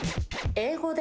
英語で？